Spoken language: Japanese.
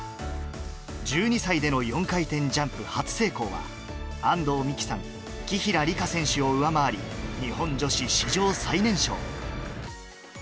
１２歳での４回転ジャンプ初成功は、安藤美姫さん、紀平梨花選手を上回り、日本女子史上最年少。